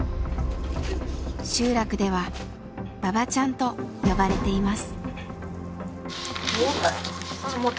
集落では「ばばちゃん」と呼ばれています。